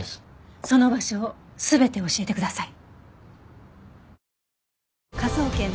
その場所を全て教えてください。